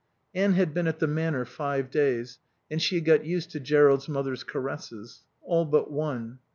Anne had been at the Manor five days, and she had got used to Jerrold's mother's caresses. All but one.